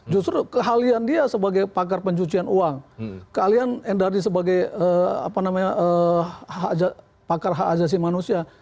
justru keahlian dia sebagai pakar pencucian uang keahlian endardi sebagai pakar hak ajasi manusia